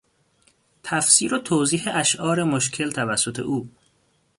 تفسیر و توضیح اشعار مشکل توسط او